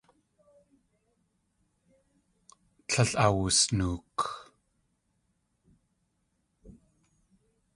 Tlél awusnook.